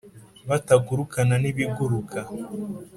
batagurukana n'ibiguruka